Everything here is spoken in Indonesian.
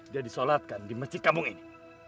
dia disolatkan di masjid kampung ini